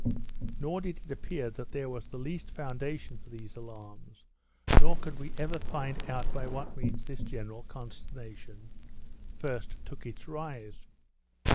Nor did it appear that there was the least foundation for these alarms, nor could we ever find out by what means this general consternation first took its rise.